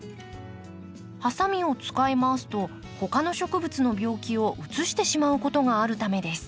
ハサミを使い回すと他の植物の病気をうつしてしまうことがあるためです。